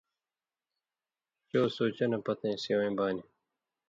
چو سُوچہ نہ پتَیں سِوَیں بانیۡ